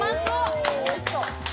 おいしそう！